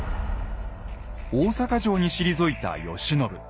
大坂城に退いた慶喜。